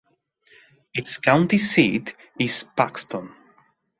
Its county seat is Paxton.